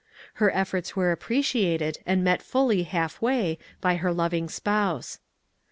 Her efforts were appreciated, and met fully half way, by her loving spouse.